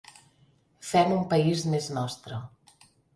Fem un país més nostre.